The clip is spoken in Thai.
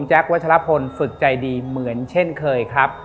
วัชลพลฝึกใจดีเหมือนเช่นเคยครับ